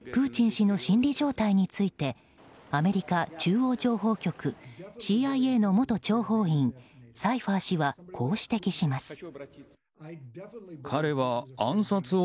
プーチン氏の心理状態についてアメリカ中央情報局・ＣＩＡの元諜報員サイファー氏はこう指摘します。